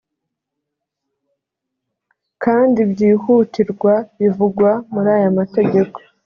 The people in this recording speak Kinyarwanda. kandi byihutirwa bivugwa muri aya matageko